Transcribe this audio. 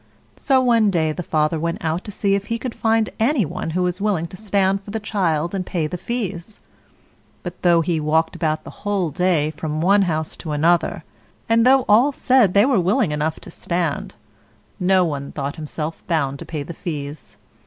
So one day the father went out to see if he could find any one who was willing to stand for the child and pay the fees; but though he walked about the whole day from one house to another, and though all said they were willing enough to stand, no one thought himself bound to pay the fees.